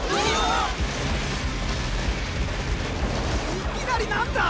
いきなりなんだ！？